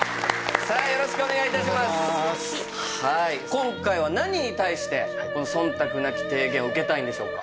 今回は何に対して忖度なき提言を受けたいんでしょうか？